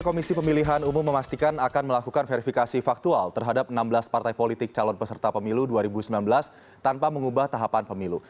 komisi pemilihan umum memastikan akan melakukan verifikasi faktual terhadap enam belas partai politik calon peserta pemilu dua ribu sembilan belas tanpa mengubah tahapan pemilu